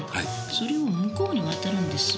それを向こうに渡るんです。